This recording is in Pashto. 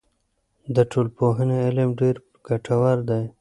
د ټولنپوهنې علم ډېر ګټور دی.